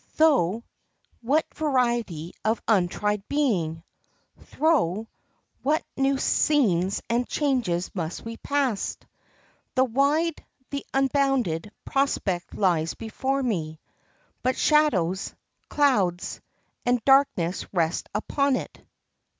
Thro' what variety of untried being, Thro' what new scenes and changes must we pass? The wide, the unbounded prospect lies before me; But shadows, clouds, and darkness rest upon it."